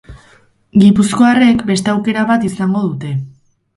Gipuzkoarrek beste aukera bat izango dute.